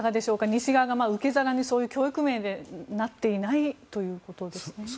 西側が受け皿に教育面でなっていないということです。